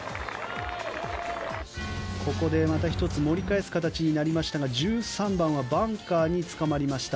ここでまた１つ盛り返す形になりましたが１３番はバンカーにつかまりました。